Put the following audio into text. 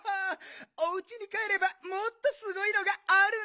おうちにかえればもっとすごいのがあるんだけどね。